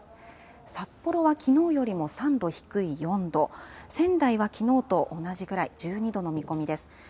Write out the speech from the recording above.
札幌はきのうよりも３度低い４度仙台はきのうと同じぐらい１２度の見込みです。